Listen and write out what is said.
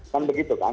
kan begitu kan